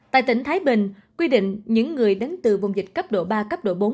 tại tỉnh thái bình quy định những người đến từ vùng dịch cấp độ ba cấp độ bốn